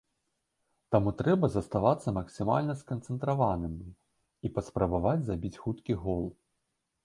Таму трэба заставацца максімальна сканцэнтраванымі і паспрабаваць забіць хуткі гол.